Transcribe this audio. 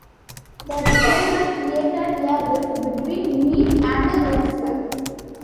The decision created a rift between Mead and Rentschler.